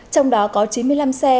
trong đó có chín mươi năm xe